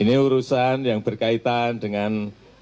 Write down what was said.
ini urusan yang berkaitan dengan